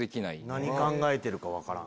何考えてるか分からん。